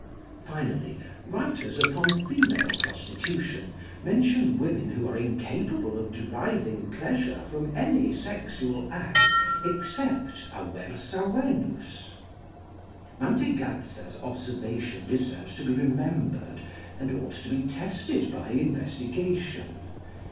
Finally, writers upon female prostitution mention women who are incapable of deriving pleasure from any sexual act except aversa venus. Mantegazza's observation deserves to be remembered, and ought to be tested by investigation.